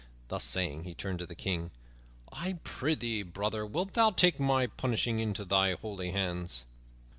Thus saying, he turned to the King, "I prythee, brother, wilt thou take my punishing into thy holy hands?"